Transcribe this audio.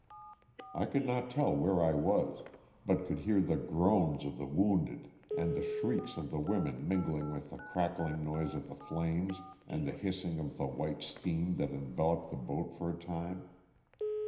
I could not tell where I was, but could hear the groans of the wounded and the shrieks of the women mingling with the crack ling noise of the flames and the hissing of the white steam that enveloped the boat for a time.